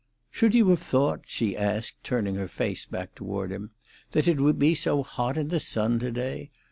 "Should you have thought," she asked, turning her face back toward him, "that it would be so hot in the sun to day?